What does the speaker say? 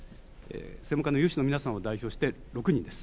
専門家の有志の皆さんを代表して、６人です。